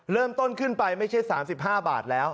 เริ่มต้นขึ้นไปไม่ใช่๓๕บาทแล้ว